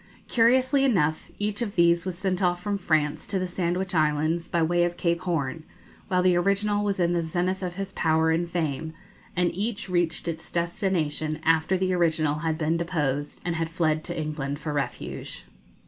Curiously enough, each of these was sent off from France to the Sandwich Islands, by way of Cape Horn, while the original was in the zenith of his power and fame; and each reached its destination after the original had been deposed and had fled to England for refuge.